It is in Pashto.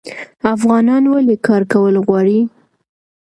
افغانان ولې کار کول غواړي؟